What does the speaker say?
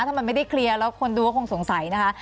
ถ้ามันไม่ได้เคลียร์แล้วคนดูก็คงสงสัยนะคะ